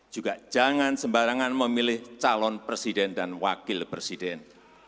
juga jangan sembarangan memilih calon presiden dan wakil presiden